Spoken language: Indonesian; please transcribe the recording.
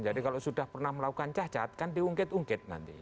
jadi kalau sudah pernah melakukan cacat kan diungkit ungkit nanti